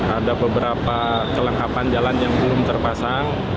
ada beberapa kelengkapan jalan yang belum terpasang